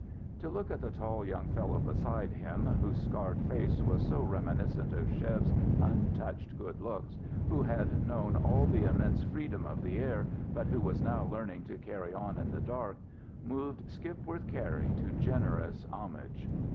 To look at the tall young fellow beside him, whose scarred face was so reminiscent of Chev's untouched good looks, who had known all the immense freedom of the air, but who was now learning to carry on in the dark, moved Skipworth Cary to generous homage.